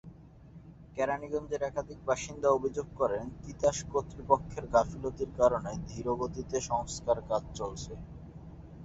কেরানীগঞ্জের একাধিক বাসিন্দা অভিযোগ করেন, তিতাস কর্তৃপক্ষের গাফিলতির কারণে ধীরগতিতে সংস্কারকাজ চলছে।